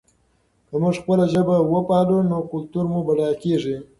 که موږ خپله ژبه وپالو نو کلتور مو بډایه کېږي.